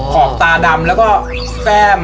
ขอบตาดำแล้วก็แก้ม